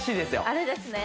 あれですね